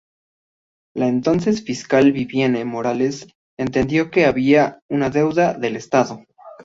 La entonces fiscal Viviane Morales entendió que había una deuda del Estado.